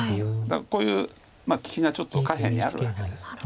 だからこういう利きがちょっと下辺にあるわけです。